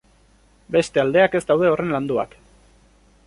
Beste aldeak ez daude horren landuak.